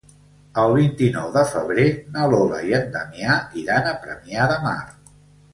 El vint-i-nou de febrer na Lola i en Damià iran a Premià de Mar.